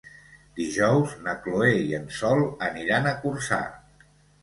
Dijous na Chloé i en Sol aniran a Corçà.